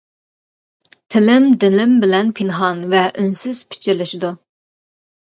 تىلىم دىلىم بىلەن پىنھان ۋە ئۈنسىز پىچىرلىشىدۇ.